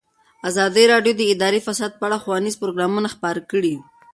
ازادي راډیو د اداري فساد په اړه ښوونیز پروګرامونه خپاره کړي.